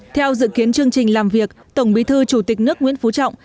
theo dự kiến chương trình làm việc tổng bí thư chủ tịch nước nguyễn phú trọng